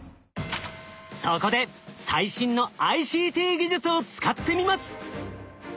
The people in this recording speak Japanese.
そこで最新のＩＣＴ技術を使ってみます。